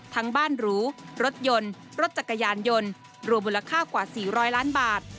ทั้งบ้านหรูรถยนต์รถจักรยานยนต์รวมมูลค่ากว่า๔๐๐ล้านบาท